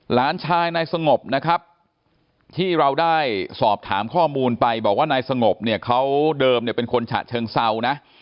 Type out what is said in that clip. หลานชายนายสงบนะครับที่เราได้สอบถามข้อมูลไปบอกว่านายสงบเนี่ยเขาเดิมเนี่ยเป็นคนฉะเชิงเซานะ